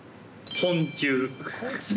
昆虫？